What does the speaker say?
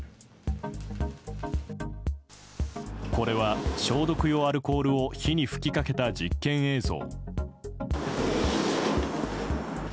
これは消毒用アルコールを火に吹きかけた実験映像。